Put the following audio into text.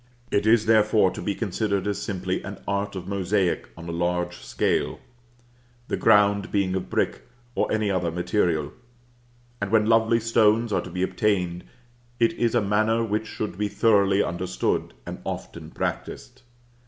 It is, therefore, to be considered as simply an art of mosaic on a large scale, the ground being of brick, or any other material; and when lovely stones are to be obtained, it is a manner which should be thoroughly understood, and often practised.